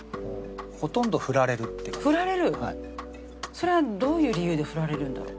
それはどういう理由でフラれるんだろう？